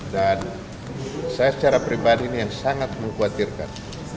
dan saya secara pribadi ini yang sangat mengkhawatirkan